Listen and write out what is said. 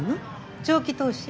長期投資？